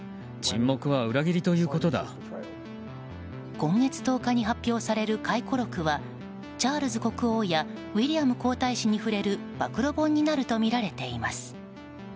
今月１０日に発表される回顧録はチャールズ国王やウィリアム皇太子に触れる暴露本になるとみられています。